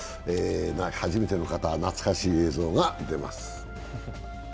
初めての方は、懐かしい映像が出ます。